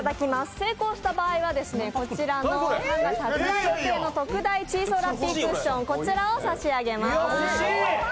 成功した場合はこちらの３月発売予定の特大チーソーラッピークッションを差し上げます。